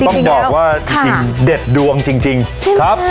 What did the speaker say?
พระยา